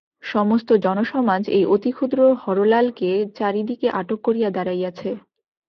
সমস্ত জনসমাজ এই অতিক্ষুদ্র হরলালকে চারি দিকে আটক করিয়া দাঁড়াইয়াছে।